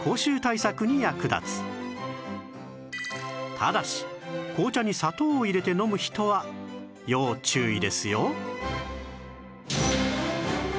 ただし紅茶に砂糖を入れて飲む人は要注意ですよ